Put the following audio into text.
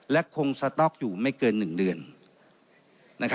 และคงสต๊อกอยู่ไม่เกิน๑เดือน